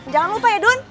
jangan lupa ya dun